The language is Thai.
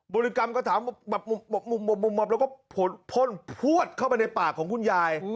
ริกรรมก็ถามแบบมุมแล้วก็พ่นพวดเข้าไปในปากของคุณยาย